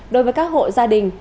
đối với các hộ gia đình